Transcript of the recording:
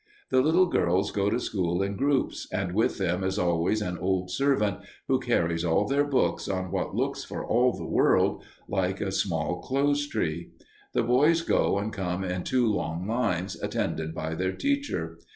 The little girls go to school in groups, and with them is always an old servant who carries all their books on what looks for all the world like a small clothes tree. The boys go and come in two long lines, attended by their teacher.